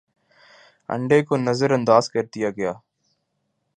انڈے کو نظر انداز کر دیا گیا